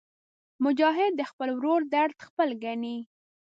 مجاهد د خپل ورور درد خپل ګڼي.